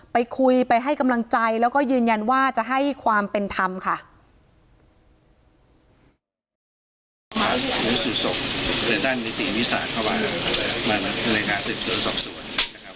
ไปคุยไปให้กำลังใจและยืนยันว่าจะให้ความเป็นทำ